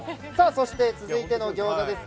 そして、続いての餃子です。